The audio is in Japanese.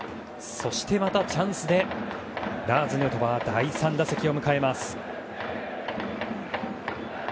そしてまたチャンスでラーズ・ヌートバー第３打席を迎えます。